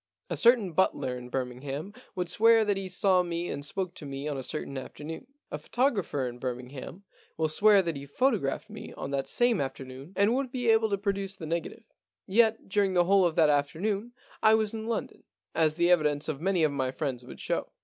A certain butler in Birming ham would swear that he saw me and spoke to me on a certain afternoon. A photographer in Birmingham would swear that he photo graphed me on that same afternoon, and would be able to produce the negative. Yet during the whole of that afternoon I was in London, as the evidence of many of my friends would show.